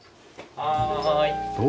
はい。